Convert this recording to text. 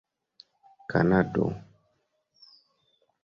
kanado